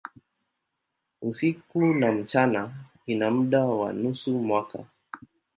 Usiku na mchana ina muda wa nusu mwaka.